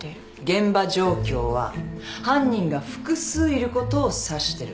現場状況は犯人が複数いることを指してる。